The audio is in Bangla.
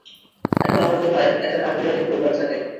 এখন আমার গুহায় একটা কাঠবিড়ালীর পরিবার থাকে।